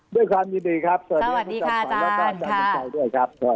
ด้วยความยินดีครับสวัสดีค่ะอาจารย์